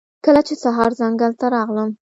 کله چې سهار ځنګل ته راغلم